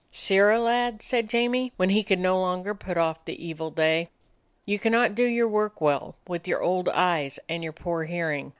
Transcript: "Sirrah lad," said Jamie, when he could no longer put off the evil day, "you cannot do your work well with your old eyes and your poor hearing.